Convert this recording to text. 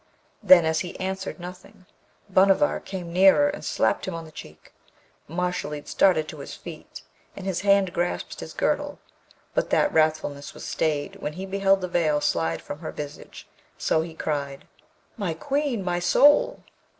Then, as he answered nothing, Bhanavar came nearer and slapped him on the cheek. Mashalleed started to his feet, and his hand grasped his girdle; but that wrathfulness was stayed when he beheld the veil slide from her visage. So he cried, 'My Queen! my soul!'